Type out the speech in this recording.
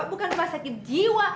bukan rumah sakit jiwa